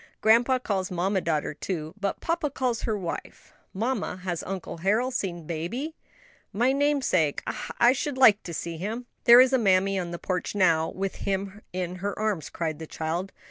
Grandpa calls mamma daughter too, but papa calls her wife. Mamma, has Uncle Harold seen baby?" "My namesake! ah, I should like to see him." "There is mammy on the porch now, with him in her arms," cried the child.